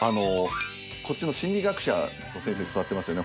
こっちの心理学者の先生座ってますよね